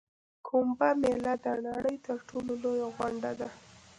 کومبه میله د نړۍ تر ټولو لویه غونډه ده.